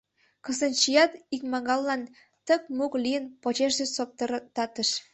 Кыстынчият, икмагаллан тык-мук лийын, почешышт соптыртатыш.